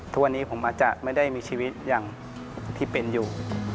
ทุกวันนี้ผมอาจจะไม่ได้มีชีวิตอย่างที่เป็นอยู่